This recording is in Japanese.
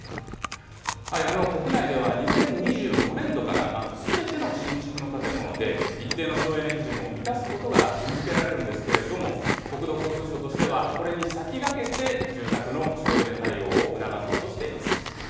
国内では２０２５年度からすべての新築の建物で、一定の省エネ基準を満たすことが義務づけられるんですけれども、国土交通省としては、これに先駆けて、住宅の省エネ対応を促そうとしています。